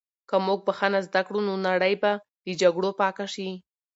که موږ بښنه زده کړو، نو نړۍ به له جګړو پاکه شي.